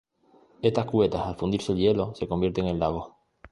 Estas cubetas, al fundirse el hielo, se convierten en lagos.